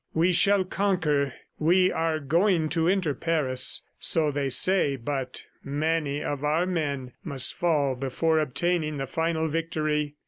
... We shall conquer; we are going to enter Paris, so they say, but many of our men must fall before obtaining the final victory."